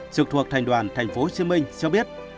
trực thuộc thành đoàn tp hcm cho biết